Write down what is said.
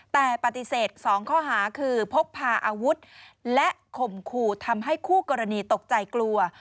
แต่ปฏิเสธ๒ข้อหาคือพกพาอาวุธและข่มขู่ทำให้คู่กรณีตกใจกลัว